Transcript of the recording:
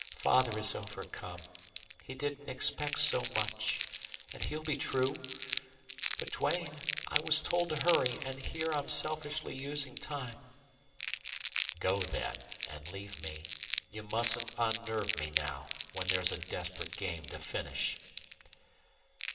Father is overcome. He didn't expect so much. And he'll be true. But, Duane, I was told to hurry, and here I'm selfishly using time." "Go, then and leave me. You mustn't unnerve me now, when there's a desperate game to finish."